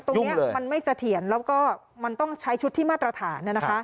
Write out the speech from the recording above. ตรงนี้มันไม่เสถียรแล้วก็มันต้องใช้ชุดที่มาตรฐาน